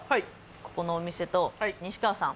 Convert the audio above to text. ここのお店と西川さん。